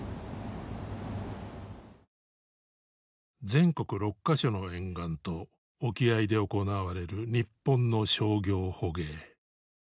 全国６か所の沿岸と沖合で行われる日本の商業捕鯨。